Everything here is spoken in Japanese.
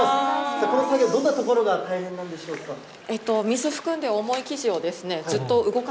この作業、どんなところが大変なんでしょうか。